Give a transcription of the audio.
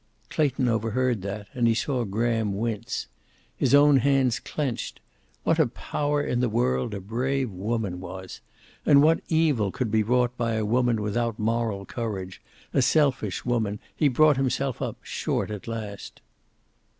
Clayton overheard that, and he saw Graham wince. His own hands clenched. What a power in the world a brave woman was! And what evil could be wrought by a woman without moral courage, a selfish woman. He brought himself up short at that.